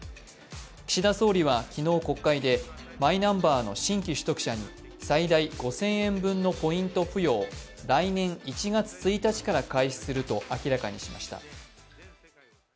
岸田総理は昨日国会で、マイナンバーの新規取得者に最大５０００円分のポイント付与を来年１月１日から開始すると明らかにしました。